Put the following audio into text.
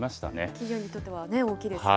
企業にとっては大きいですよね。